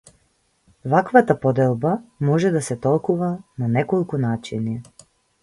Ваквата поделба може да се толкува на неколку начини.